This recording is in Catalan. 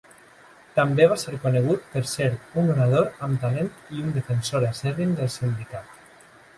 També va ser conegut per ser un orador amb talent i un defensor acèrrim del sindicat.